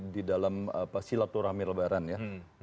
di dalam silaturahmi lebaran ya